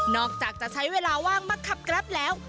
นอกจากจะใช้ว่าว่างมาครับครับแล้ว